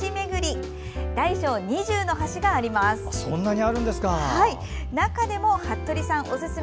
そんなにあるんですか！